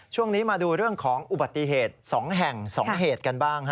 ช่วงนี้มาดูเรื่องของอุบัติเหตุ๒แห่ง๒เหตุกันบ้าง